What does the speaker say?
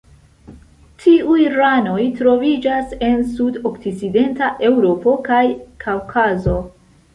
Tiuj ranoj troviĝas en sudokcidenta Eŭropo kaj Kaŭkazo.